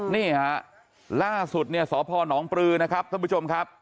นี่ฮะล่าสุดเนี่ยสพนปลือนะครับท่านผู้ชมครับ